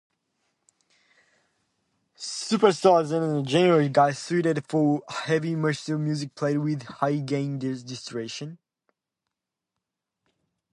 Superstrats are generally suited for heavy metal music played with high-gain distortion.